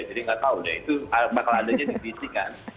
jadi nggak tau deh itu bakal adanya di visi kan